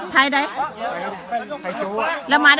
พ่อหนูเป็นใคร